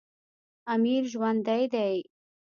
امیر ژوندی دی.